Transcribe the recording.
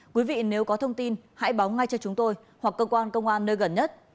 quý vị nếu có thông tin hãy báo ngay cho chúng tôi hoặc cơ quan công an nơi gần nhất